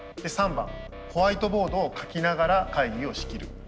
３番ホワイトボードを書きながら会議を仕切る。